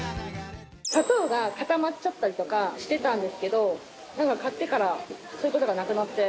砂糖が固まっちゃったりとかしてたんですけどなんか買ってからそういう事がなくなって。